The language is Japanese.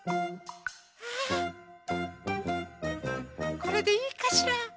これでいいかしら？